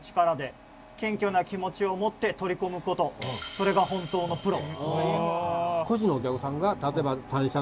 「それが本当のプロ」。